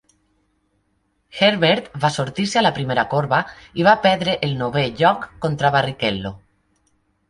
Herbert va sortir-se a la primera corba i va perdre el novè lloc contra Barrichello.